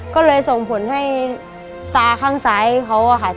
ก็เลยส่งผลให้ตาข้างซ้ายเขาอะค่ะ